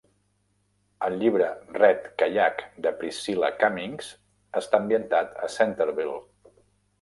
El llibre "Red Kayak" de Priscilla Cummings està ambientat a Centreville.